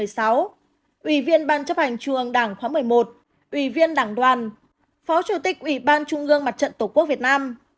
ủy viên ban chấp hành trung ương đảng khóa một mươi một ủy viên đảng đoàn phó chủ tịch ủy ban trung ương mặt trận tổ quốc việt nam